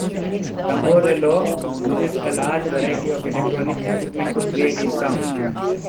Tamborello uses a large variety of electronic equipment to create his sound.